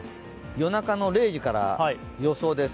夜中の０時から予想です。